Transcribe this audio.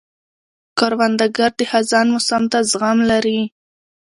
کروندګر د خزان موسم ته زغم لري